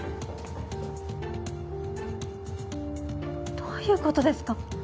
どういう事ですか？